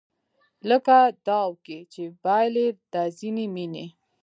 لکه داو کې چې بایلي دا ځینې مینې